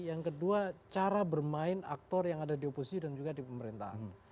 yang kedua cara bermain aktor yang ada di oposisi dan juga di pemerintahan